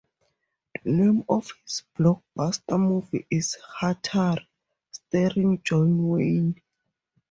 The name of his blockbuster movie is Hatari!, starring John Wayne.